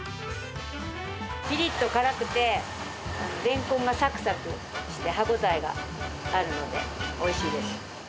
ぴりっと辛くて、レンコンがさくさくして、歯応えがあるので、おいしいです。